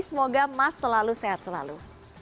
semoga mas selalu sehat selalu